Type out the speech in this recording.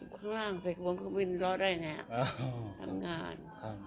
ข้างล่างบนเครื่องบินรอได้ไงทำงาน